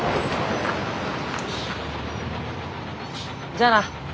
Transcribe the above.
じゃあな。